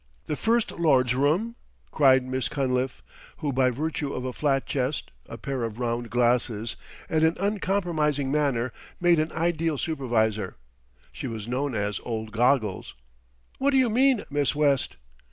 The First Lord's room!" cried Miss Cunliffe, who by virtue of a flat chest, a pair of round glasses, and an uncompromising manner made an ideal supervisor. She was known as "Old Goggles." "What do you mean, Miss West?"